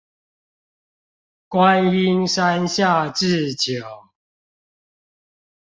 觀音山下智久